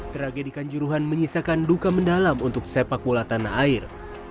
tragedi kanjuruhan menyisakan duka mendalam untuk sepak bola tanah air